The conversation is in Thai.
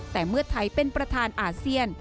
แต่เมื่อไทยเป็นประธานอาเซียน